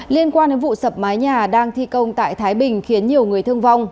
liên quan đến vụ sập mái nhà đang thi công tại thái bình khiến nhiều người thương vong